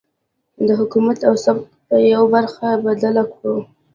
د حکومت او ثبات په يوه برخه بدل کړو.